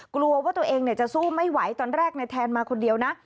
กลัวว่าตัวเองจะสู้ไม่ไหวตอนแรกในแทนมาคนเดียวนะ